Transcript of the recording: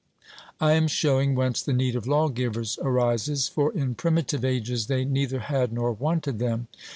I am showing whence the need of lawgivers arises, for in primitive ages they neither had nor wanted them.